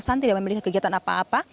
kesan tidak memiliki kegiatan apa apa